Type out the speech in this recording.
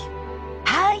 はい。